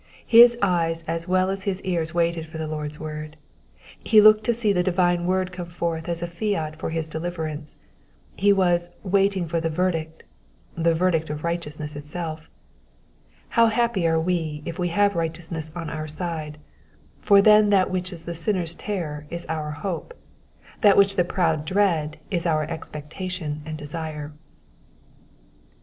His eyes as well as his ears waited for the Lord's word : he looked to see the divine word come forth as a liat for his deliverance. He was waiting for the verdict "— the verdict of righteousness itself. How happ^ are we if we have righteousness on our side ; for then that which is the sinners' terror is our hope, that which the proud dread is our expectation and desire.